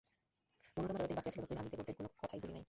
মনোরমা যতদিন বাঁচিয়া ছিল ততদিন আমি দেবরদের কোনো কথায় ভুলি নাই।